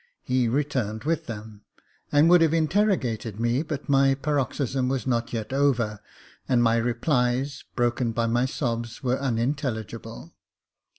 He returned with them, and would have interrogated me, but my paroxysm was not yet over, and my replies, broken by my sobs, were unintelligible.